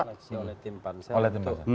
seleksi oleh tim pansel